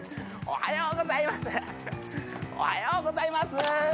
おはようございます。